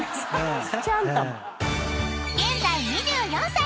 ［現在２４歳。